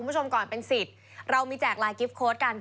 ชุวิตตีแสดหน้า